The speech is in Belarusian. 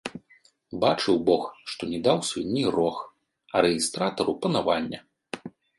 Бачыў бог, што не даў свінні рог, а рэгістратару панавання.